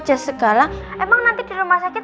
jazz segala emang nanti di rumah sakit